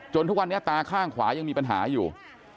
ทุกวันนี้ตาข้างขวายังมีปัญหาอยู่